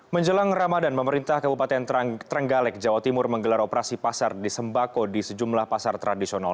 menjelang ramadan pemerintah kabupaten trenggalek jawa timur menggelar operasi pasar di sembako di sejumlah pasar tradisional